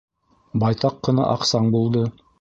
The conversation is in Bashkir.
— Байтаҡ ҡына аҡсаң булды.